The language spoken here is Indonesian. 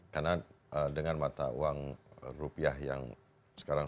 karena dengan mata uang rupiah yang sekarang